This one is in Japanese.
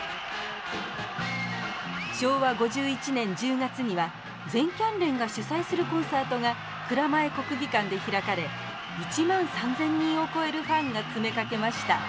昭和５１年１０月には全キャン連が主宰するコンサートが蔵前国技館で開かれ１万３，０００人を超えるファンが詰めかけました。